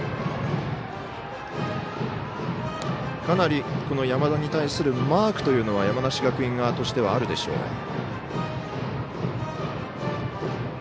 かなり山田に対するマークというのは山梨学院側としてはあるでしょう。